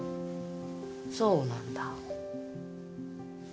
そうなんだ。